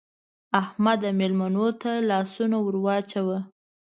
احمده! مېلمنو ته لاسونه ور واچوه.